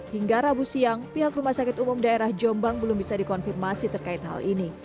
hingga rabu siang pihak rumah sakit umum daerah jombang belum bisa dikonfirmasi terkait hal ini